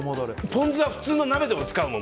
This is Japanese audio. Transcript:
ポン酢は普通の鍋でも使うもん。